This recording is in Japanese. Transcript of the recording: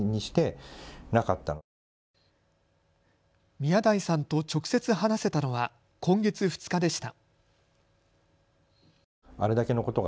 宮台さんと直接話せたのは今月２日でした。